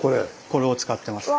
これを使ってます。